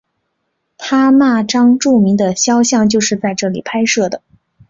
他那张著名的肖像就是在这里拍摄的。